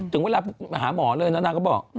ถึงเวลามาหาหมอเลยนะนางก็บอก